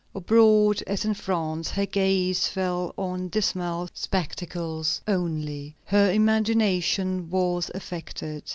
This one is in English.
Abroad, as in France, her gaze fell on dismal spectacles only. Her imagination was affected.